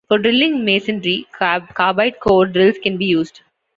For drilling masonry, carbide core drills can be used.